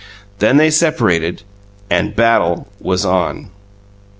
Then they separated and battle was on!